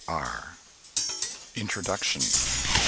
R. INTRODUCTION.